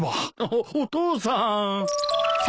おお父さん。